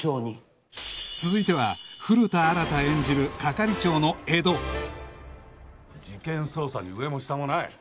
続いては古田新太演じる係長の江戸事件捜査に上も下もない。